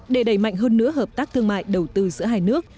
để đẩy mạnh hơn nữa hợp tác thương mại đầu tư giữa hai nước